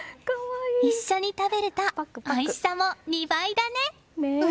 一緒に食べるとおいしさも２倍だね！